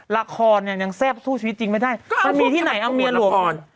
ละครเนี่ยยังแซ่บสู้ชีวิตจริงไม่ได้มันมีที่ไหนเอาเมียหลวงก่อน